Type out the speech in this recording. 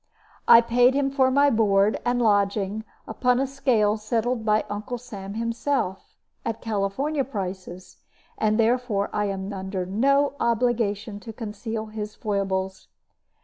I paid him for my board and lodging, upon a scale settled by Uncle Sam himself, at California prices; therefore I am under no obligation to conceal his foibles.